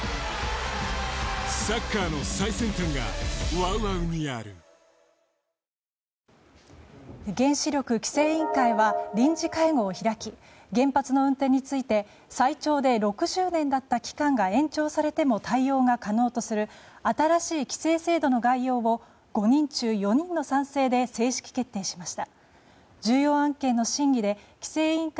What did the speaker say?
それができると一じゃなくて百とか千とか原子力規制委員会は臨時会合を開き原発の運転について最長で６０年だった期間が延長されても対応が可能とする新しい規制制度の概要を５人中４人の賛成で正式決定しました。